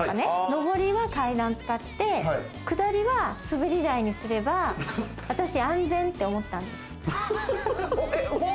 上りは階段使って、下りは、すべり台に滑って、私、安全！って思ったんです。